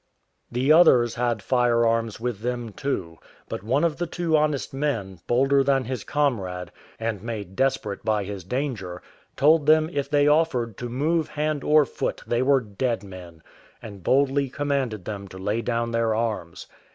The others had firearms with them too; but one of the two honest men, bolder than his comrade, and made desperate by his danger, told them if they offered to move hand or foot they were dead men, and boldly commanded them to lay down their arms.